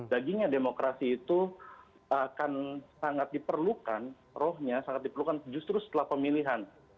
dagingnya demokrasi itu akan sangat diperlukan rohnya sangat diperlukan justru setelah pemilihan